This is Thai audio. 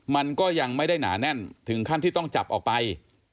มันก็ยังไม่ได้หนาแน่นถึงขั้นที่ต้องจับออกไป